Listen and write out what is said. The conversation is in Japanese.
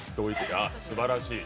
あっすばらしい。